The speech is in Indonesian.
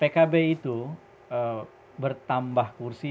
pkb itu bertambah kursi